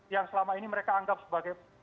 yang selama ini mereka anggap sebagai